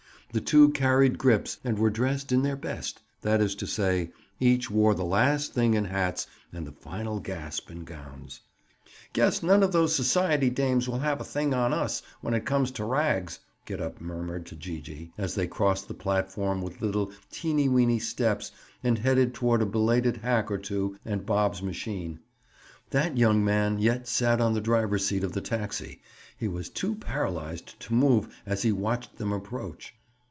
The two carried grips and were dressed in their best—that is to say, each wore the last thing in hats and the final gasp in gowns. "Guess none of those society dames will have a thing on us, when it comes to rags," Gid up murmured to Gee gee, as they crossed the platform with little teeny weeny steps and headed toward a belated hack or two and Bob's machine. That young man yet sat on the driver's seat of the taxi; he was too paralyzed to move as he watched them approach.